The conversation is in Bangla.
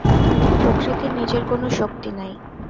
প্রকৃতির নিজের কোন শক্তি নাই।